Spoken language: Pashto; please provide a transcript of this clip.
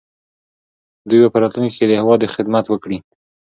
دوی به په راتلونکي کې د هېواد خدمت وکړي.